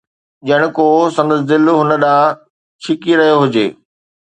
ڄڻ ڪو سندس دل هن ڏانهن ڇڪي رهيو هجي